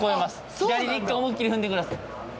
左で１回思いっきり踏んでください。